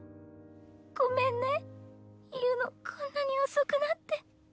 ごめんね、言うのこんなに遅くなって。